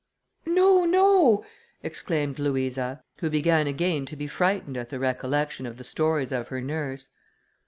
"No! no!" exclaimed Louisa, who began again to be frightened at the recollection of the stories of her nurse.